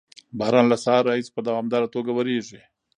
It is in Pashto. باران له سهار راهیسې په دوامداره توګه ورېږي.